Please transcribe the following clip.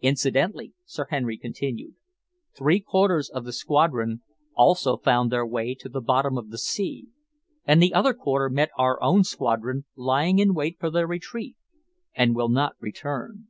"Incidentally," Sir Henry continued, "three quarters of the squadron also found their way to the bottom of the sea, and the other quarter met our own squadron, lying in wait for their retreat, and will not return."